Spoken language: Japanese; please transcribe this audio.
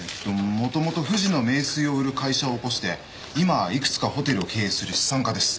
もともと富士の名水を売る会社を興して今はいくつかホテルを経営する資産家です